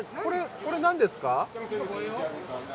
これ何ですか？